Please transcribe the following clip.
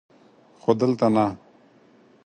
خو دلته نه!